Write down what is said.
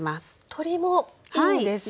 鶏もいいんですね。